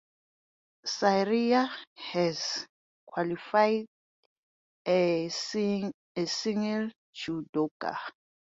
Syria has qualified a single judoka.